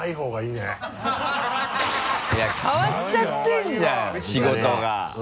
いや変わっちゃってるじゃん仕事が。